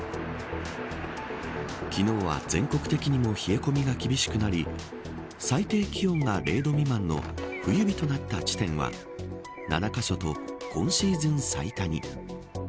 昨日は全国的にも冷え込みが厳しくなり最低気温が０度未満の冬日となった地点は７カ所と今シーズン最多に。